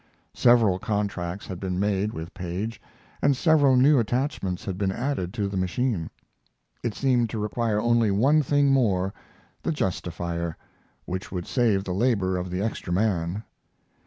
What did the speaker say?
Several contracts had been made with Paige, and several new attachments had been added to the machine. It seemed to require only one thing more, the justifier, which would save the labor of the extra man.